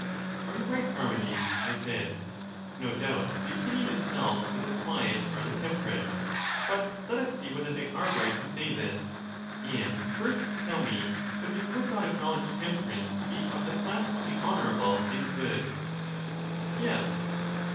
Are you right, Charmides? 1 said. JNo doubt the opinion is held that the quiet are the temperate; but let us see whether they are right who say this; and first tell me whether you would not acknowledge temperance to be of the class of the honorable and good? Yes.